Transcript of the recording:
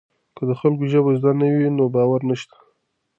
که د خلکو ژبه زده نه وي نو باور نشته.